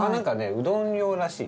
うどん用らしい。